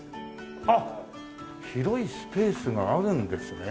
あっ広いスペースがあるんですね。